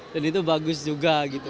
dan itu bagus juga